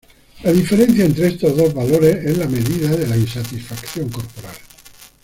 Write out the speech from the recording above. La diferencia entre estos dos valores es la medida de la insatisfacción corporal.